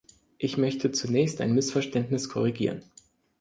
Ich möchte zunächst ein Missverständnis korrigieren.